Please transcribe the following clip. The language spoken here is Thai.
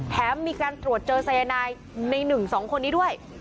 มีการตรวจเจอสายนายใน๑๒คนนี้ด้วย